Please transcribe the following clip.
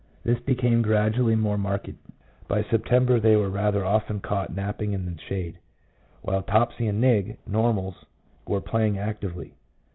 This became gradually more marked. By September they were rather often caught napping in the shade, while Topsy and Nig (normals) were playing actively.